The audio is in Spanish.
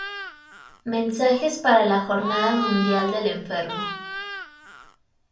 Mensajes para la Jornada Mundial del Enfermo